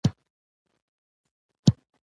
یو پردی کس و چې پلورنځی یې سقوط شوی و.